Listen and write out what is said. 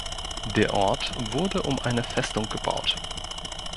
Der Ort wurde um eine Festung gebaut.